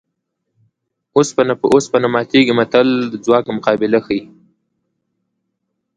اوسپنه په اوسپنه ماتېږي متل د ځواک مقابله ښيي